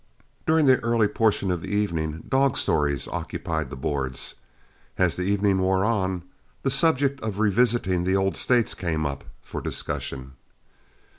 During the early portion of the evening, dog stories occupied the boards. As the evening wore on, the subject of revisiting the old States came up for discussion.